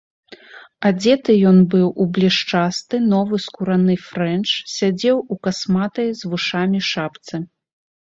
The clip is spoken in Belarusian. Адзеты ён быў у блішчасты, новы скураны фрэнч, сядзеў у касматай, з вушамі, шапцы.